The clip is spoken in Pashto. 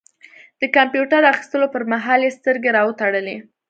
د کمپيوټر اخيستلو پر مهال يې سترګې را وتړلې.